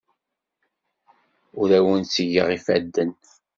Ur awent-ttgeɣ ifadden.